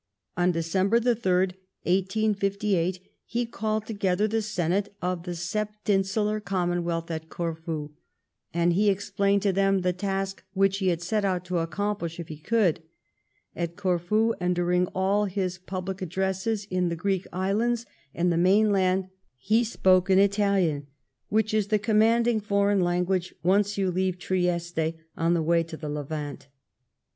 On December the third, 1858, he called together the Senate of the Septinsular Commonwealth at Corfu, and he explained to them the task which he had set out to accomplish if he could. At Corfu, and during all his public addresses in the Greek islands and the mainland, he spoke in Italian, which is the commanding foreign language once you leave Trieste on the way to the Levant.